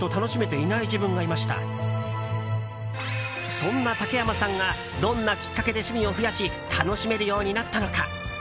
そんな竹山さんがどんなきっかけで趣味を増やし楽しめるようになったのか？